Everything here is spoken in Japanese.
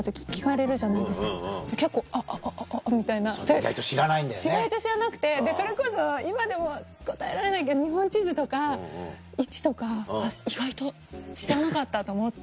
意外と知らなくてでそれこそ今でも答えられないけど日本地図とか位置とか意外と知らなかったと思って。